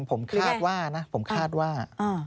ผมคาดว่านะผมคาดว่า